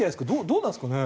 どうなんですかね？